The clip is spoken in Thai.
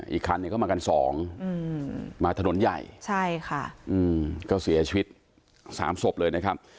อีกครั้งก็มากันสองมาถนนใหญ่ก็เสียชีวิต๓ศพเลยนะครับ